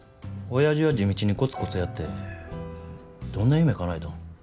おやじは地道にコツコツやってどんな夢かなえたん。